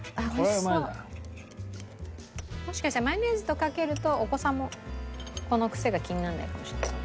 もしかしたらマヨネーズとかけるとお子さんもこのクセが気にならないかもしれない。